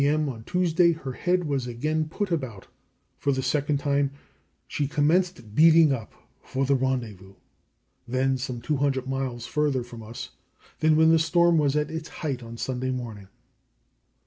M. on Tuesday her head was again put about, and for the second time she commenced beating up for the rendezvous, then some 200 miles farther from us than when the storm was at its height on Sunday morning.